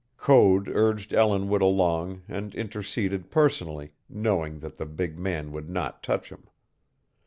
Code urged Ellinwood along and interceded personally, knowing that the big man would not touch him.